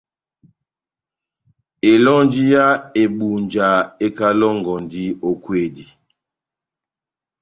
Elɔnji yá Ebunja ekalɔngɔndi ó kwedi.